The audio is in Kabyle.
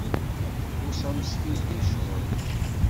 Tbuṣa meskint di ccɣel.